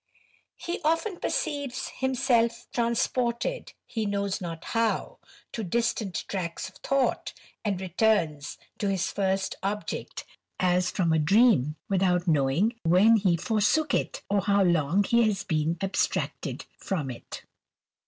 He often perceives himself transported, he knows not how, to distant tracts of thought, and returns to his first object as from a dream, without knowing when he forsook it, or how long he has been abstracted from it.